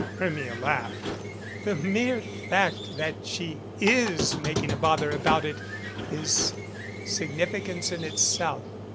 Hermia laughed. "The mere fact that she is making a bother about it is significance itself.